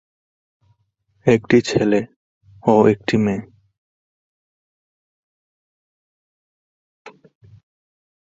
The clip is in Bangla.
একটি ছেলে ও একটি মেয়ে।